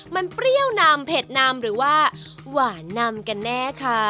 มันเปรี้ยวนำเผ็ดนำหรือว่าหวานนำกันแน่ค่ะ